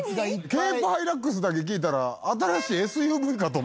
ケープハイラックスだけ聞いたら新しいＳＵＶかと。